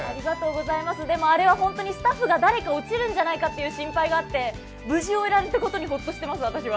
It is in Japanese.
でも、あれはスタッフが誰か落ちるんじゃないかという心配があって無事終えられたことにホッとしています、私は。